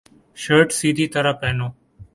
shirt سیدھی طرح پہنو